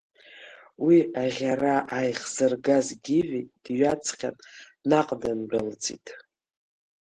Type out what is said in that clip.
Уи аӷьара ааихзыргаз Гиви дҩаҵҟьан, наҟ дындәылҵит.